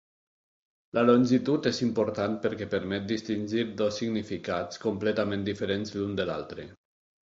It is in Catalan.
La longitud és important perquè permet distingir dos significats completament diferents l'un de l'altre.